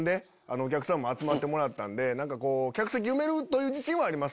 お客さんも集まってもらったんで客席埋める自信はあります。